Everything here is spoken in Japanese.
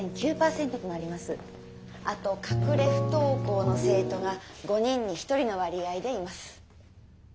あと隠れ不登校の生徒が５人に１人の割合でいます。